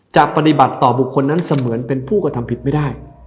จะปฏิบัติต่อบุคคลนั้นเสมือนเป็นผู้กระทำผิดไม่ได้